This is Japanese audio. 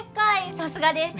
さすがです。